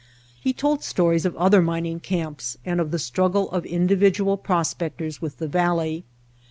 He told stories of other mining camps and of the struggle of individual prospectors with the valley.